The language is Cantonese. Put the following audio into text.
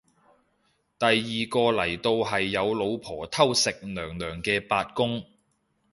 第二個嚟到係有老婆偷食娘娘嘅八公